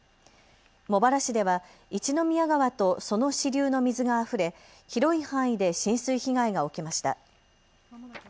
茂原市では一宮川とその支流の水があふれ広い範囲で浸水被害が起きました。